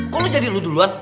kok lo jadi lu duluan